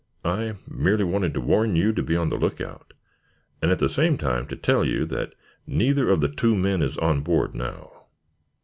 I merely wanted to warn you to be on the lookout, and at the same time to tell you that neither of the two men is on board now.